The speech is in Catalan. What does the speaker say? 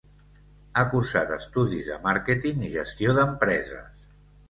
Ha cursat estudis de màrqueting i gestió d'empreses.